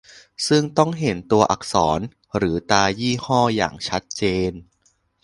ซึ่งต้องเห็นตัวอักษรหรือตรายี่ห้ออย่างชัดเจน